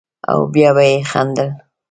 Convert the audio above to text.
او بيا به يې خندل.